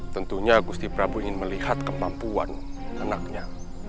tentunya gusti prabowo ingin melihat kemampuan anaknya